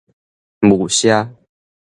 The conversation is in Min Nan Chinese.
霧社